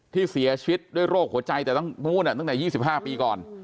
ที่เสียชีวิตด้วยโรคหัวใจแต่ตั้งนู้นตั้งแต่๒๕ปีก่อน